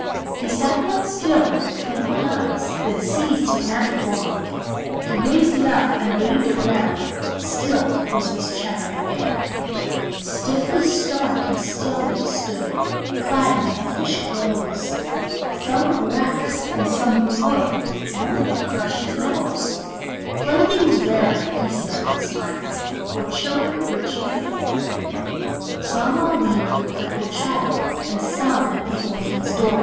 He sat quite still, with twinkling eyes, Then seized his mystic wand, He raised it up, and waved it round Stilled was this chattering band. [Illustration: They climbed the sleigh] Stiffly stark and still they stood, Clad in elfish clothes; Some were wax, and some were wood, One had crushed his nose. "Playthings rare," he said and smiled, "For children rich and poor; Some I'll leave the crippled child, And some at the orphan's door."